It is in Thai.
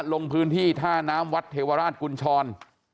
ลงพื้นที่ท่าน้ำวัดเทวราชกุญชร